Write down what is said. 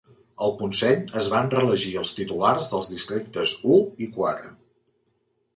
Al Consell es van reelegir els titulars dels districtes u i quatre.